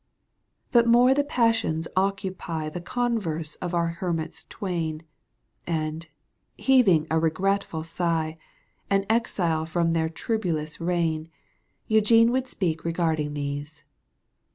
But more the passions occupy The converse of our hermits twain, And, heaving a regretful sigh, An exile fix)m their troublous reign, Eugene would speak regarding these.